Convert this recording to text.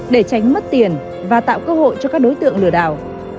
để tránh mất tiền và tạo cơ hội cho các đối tượng lừa đảo